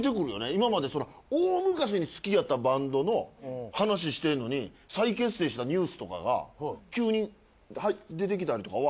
今まで大昔に好きやったバンドの話してんのに再結成したニュースとかが急に出てきたりとかは。